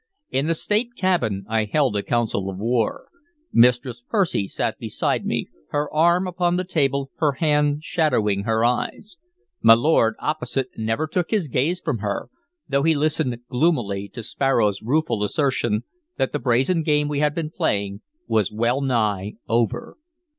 In the state cabin I held a council of war. Mistress Percy sat beside me, her arm upon the table, her hand shadowing her eyes; my lord, opposite, never took his gaze from her, though he listened gloomily to Sparrow's rueful assertion that the brazen game we had been playing was well nigh over.